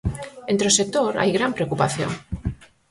Entre o sector hai gran preocupación.